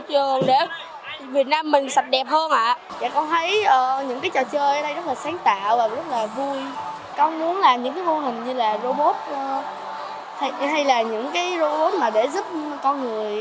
con muốn làm những cái mô hình như là robot hay là những cái robot mà để giúp con người